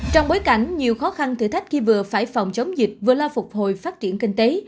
trong bối cảnh nhiều khó khăn thử thách khi vừa phải phòng chống dịch vừa la phục hồi phát triển kinh tế